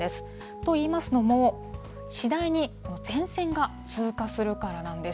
といいますのも、次第に前線が通過するからなんです。